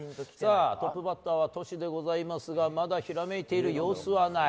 トップバッターはトシでございますがまだひらめいている様子はない。